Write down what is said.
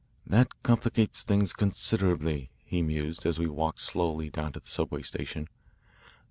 "That complicates things considerably," he mused as we walked slowly down to the subway station.